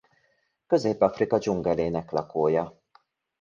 Közép-Afrika dzsungelének lakója.